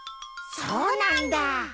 そうなんだ。